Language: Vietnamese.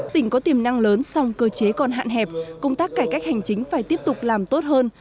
tỉnh có tiềm năng lớn song cơ chế còn hạn hẹp công tác cải cách hành chính phải tiếp tục làm tốt hơn